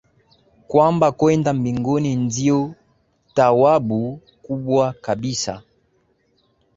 kwamba kwenda mbinguni ndio thawabu kubwa kabisa